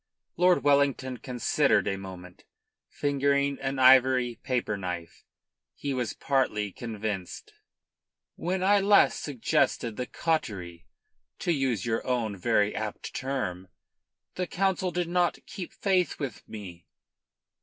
Lord Wellington considered a moment, fingering an ivory paper knife. He was partly convinced. "When I last suggested the cautery, to use your own very apt figure, the Council did not keep faith with me."